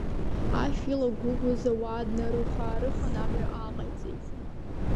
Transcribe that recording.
Ашә илагәыгәыз ауаа днарыха-аарыханы амҩа ааҟаиҵеит.